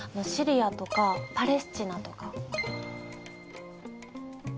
シリアとかパレスチナとか。